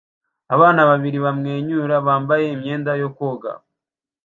Abana babiri bamwenyura bambaye imyenda yo koga